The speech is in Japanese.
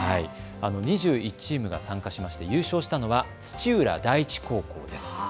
２１チームが参加し優勝したのは土浦第一高校です。